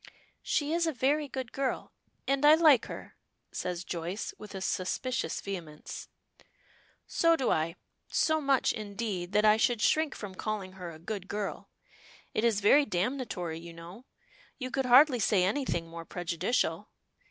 "She is a very good girl, and I like her," says Joyce, with a suspicious vehemence. "So do I; so much, indeed, that I should shrink from calling her a good girl. It is very damnatory, you know. You could hardly say anything more prejudicial.